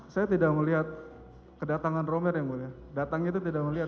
saya tidak melihat kedatangan romer yang mulia datangnya itu tidak melihat